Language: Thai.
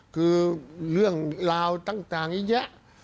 คือเรื่องราวต่างอีกเยอะ